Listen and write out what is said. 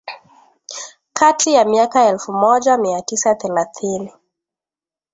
kati ya miaka ya elfu moja mia tisa thelathini